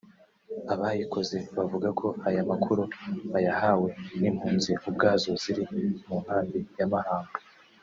abayikoze bavuga ko aya makuru bayahawe n’impunzi ubwazo ziri mu nkambi ya Mahama